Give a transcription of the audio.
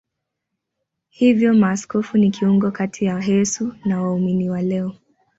Hivyo maaskofu ni kiungo kati ya Yesu na waumini wa leo.